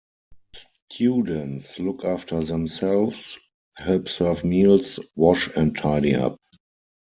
Students look after themselves, help serve meals, wash and tidy up.